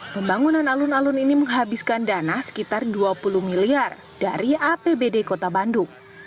pembangunan alun alun ini menghabiskan dana sekitar dua puluh miliar dari apbd kota bandung